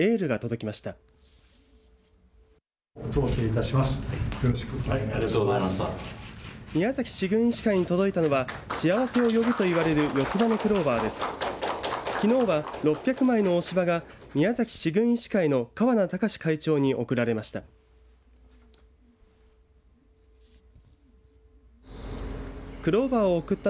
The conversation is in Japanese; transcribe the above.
きのうは６００枚の押し葉が宮崎市郡医師会の川名隆司会長に贈られました。